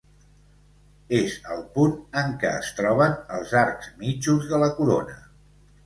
És el punt en què es troben els arcs mitjos de la Corona.